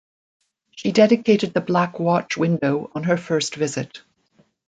She dedicated the Black Watch window on her first visit.